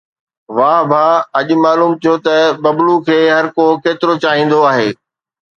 واهه ڀاءُ، اڄ معلوم ٿيو ته ببلو کي هر ڪو ڪيترو چاهيندو آهي